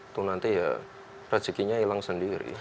itu nanti ya rezekinya hilang sendiri